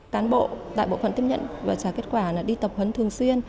cán bộ đại bộ phận tiếp nhận và trả kết quả đi tập huấn thường xuyên